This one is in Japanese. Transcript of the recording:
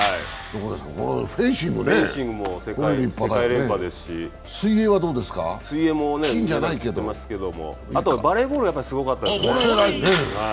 フェンシングも世界連覇ですし、水泳もですけどバレーボールもすごかったですね。